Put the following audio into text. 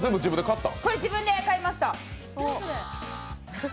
自分で買いました。